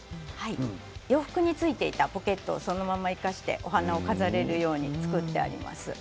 洋服に付いていたポケットをそのまま生かしてお花を飾れるように作ってあります。